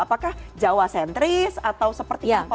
apakah jawa sentris atau seperti itu